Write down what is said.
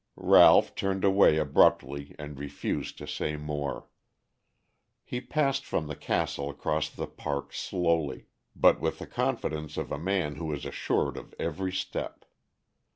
Ralph turned away abruptly and refused to say more. He passed from the castle across the park slowly, but with the confidence of a man who is assured of every step.